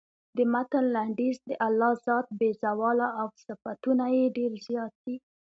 د متن لنډیز د الله ذات بې زواله او صفتونه یې ډېر زیات دي.